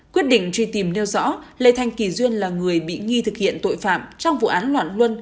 quyết định truy tìm nêu rõ lê thanh kỳ duyên là người bị nghi thực hiện tội phạm trong vụ án loạn luân